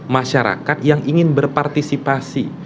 masyarakat yang ingin berpartisipasi